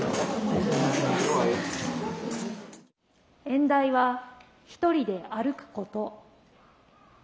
演題は「一人で歩くこと」。